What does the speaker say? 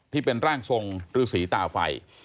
ที่เป็นร่างทรงฤษีตาไฟ